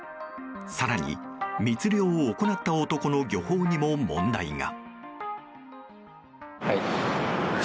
更に密漁を行った男の漁法にも問題が。